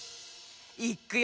いっくよ。